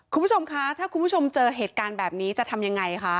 คุณผู้ชมคะถ้าคุณผู้ชมเจอเหตุการณ์แบบนี้จะทำยังไงคะ